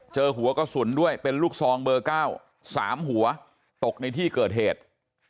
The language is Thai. เจอหัวกระสุนด้วยเป็นลูกซองเบอร์๙๓หัวตกในที่เกิดเหตุ